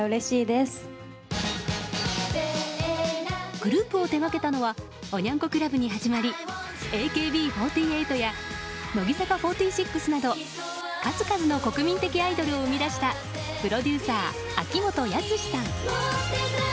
グループを手掛けたのはおニャン子クラブに始まりＡＫＢ４８や乃木坂４６など数々の国民的アイドルを生み出したプロデューサー、秋元康さん。